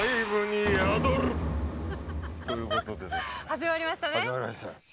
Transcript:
始まりましたね。